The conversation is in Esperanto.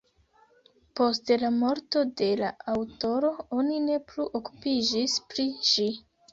Post la morto de la aŭtoro, oni ne plu okupiĝis pri ĝi.